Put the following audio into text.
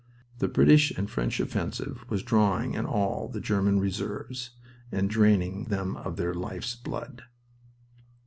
The British and French offensive was drawing in all the German reserves and draining them of their life's blood.